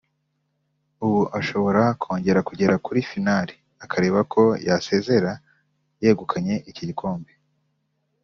ubu ashobora kongera kugera kuri final akareba ko yasezera yegukanye iki gikombe